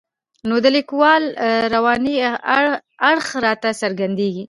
نو د لیکوال رواني اړخ راته څرګندېږي.